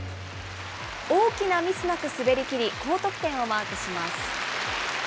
大きなミスなく滑りきり、高得点をマークします。